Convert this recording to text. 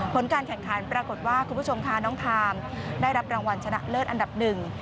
ผลการแข่งขันปรากฏว่าคุณผู้ชมค่ะน้องทามได้รับรางวัลชนะเลิศอันดับหนึ่ง